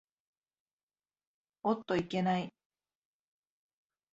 おっといけない。